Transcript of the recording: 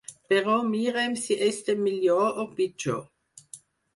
Però mirem si estem millor o pitjor.